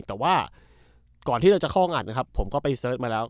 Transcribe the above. แต่ว่าก่อนที่เราจะเข้างานนะครับผมก็ไปเสิร์ชมาแล้ว